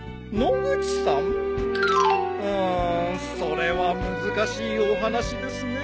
うーんそれは難しいお話ですね。